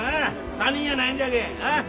他人やないんじゃけん。